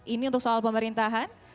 ini untuk soal pemerintahan